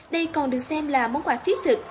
đây còn được xem là món quà thiết thực